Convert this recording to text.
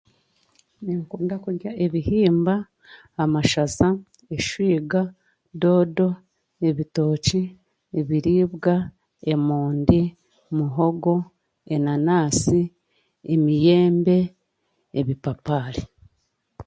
Ninkunda kurya ebihimba, amashaza, eshwiga, doodo, ebitooki, ebiriibwa, emondi, muhogo, enanansi, emiyembe, ebipapaari.